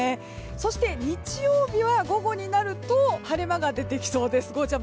そして、日曜日は午後になると晴れ間が出てきそうです。